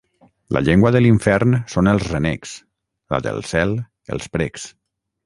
La llengua de l'infern són els renecs; la del cel, els precs.